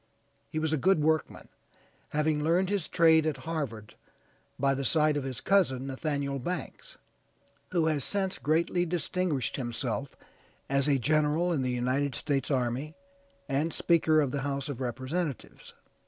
He was a good workman, having learned his trade at Harvard by the side of his cousin, Nathaniel Banks, who has since greatly distinguished himself as a general in the United States army and speaker of the House of Representatives.